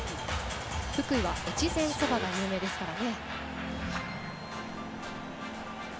福井は越前そばが有名ですからね。